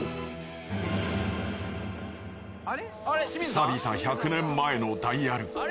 「さびた１００年前のダイヤル」